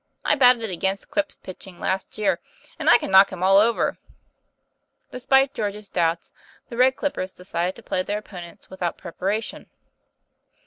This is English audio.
I batted against Quip's pitching last year, and I can knock him all over." Despite George's doubts, the Red Clippers decided to play their opponents without preparation.